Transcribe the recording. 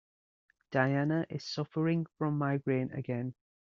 Diana is suffering from migraine again.